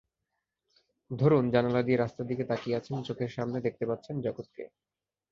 ধরুন, জানালা দিয়ে রাস্তার দিকে তাকিয়ে আছেন, চোখের সামনের দেখতে পাচ্ছেন জগৎকে।